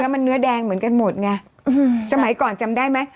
มันเนื้อแดงเหมือนกันหมดไงสมัยก่อนจำได้ไหม